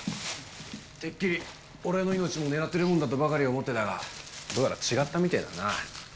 てっきり俺の命も狙っているもんだとばかり思ってたがどうやら違ったみてえだな。